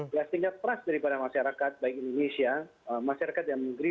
plastiknya teras daripada masyarakat baik indonesia masyarakat yang negeri